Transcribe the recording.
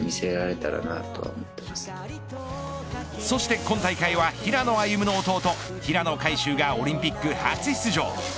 そして今大会は、平野歩夢の弟平野海祝がオリンピック初出場。